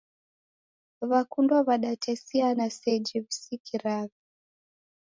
Wakundwa wadatesiana seji wisikiragha.